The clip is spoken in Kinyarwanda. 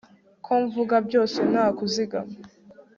ko mvuga byose nta kuzigama